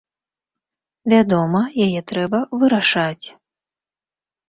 Вядома, яе трэба вырашаць.